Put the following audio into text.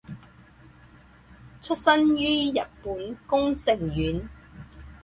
出生于日本宫城县。